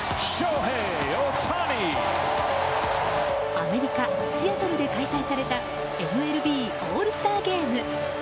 アメリカ・シアトルで開催されたＭＬＢオールスターゲーム。